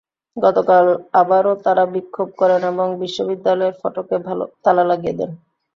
গতকাল আবারও তাঁরা বিক্ষোভ করেন এবং বিশ্ববিদ্যালয়ের ফটকে তালা লাগিয়ে দেন।